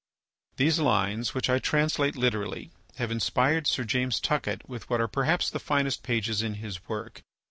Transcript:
These lines, which I translate literally, have inspired Sir James Tuckett with what are perhaps the finest pages in his work.